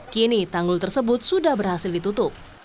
kini tanggul tersebut sudah berhasil ditutup